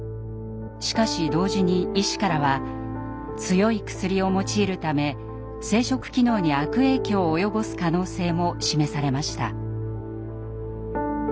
しかし同時に医師からは強い薬を用いるため生殖機能に悪影響を及ぼす可能性も示されました。